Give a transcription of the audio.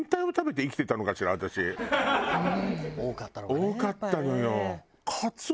多かったのかね。